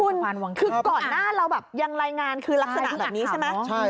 คือก่อนหน้าเราแบบยังรายงานคือลักษณะแบบนี้ใช่ไหม